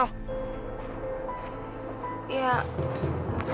itu aku pernah ketemu aja sama dia